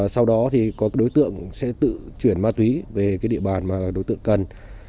sau đó thì đối tượng sẽ tự chuyển ma túy về cái địa bàn mà đối tượng cần